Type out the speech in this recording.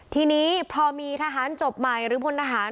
ทีนี้พอมีทหารจบใหม่หรือพลทหาร